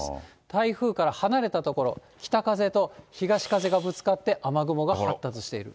台風から離れた所、北風と東風がぶつかって、雨雲が発達している。